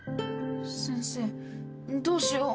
先生どうしよう？